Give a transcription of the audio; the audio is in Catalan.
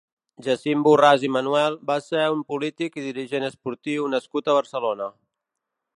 Jacint Borràs i Manuel va ser un polític i dirigent esportiu nascut a Barcelona.